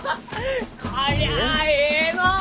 こりゃあえいのう！